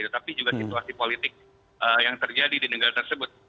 tapi juga situasi politik yang terjadi di negara tersebut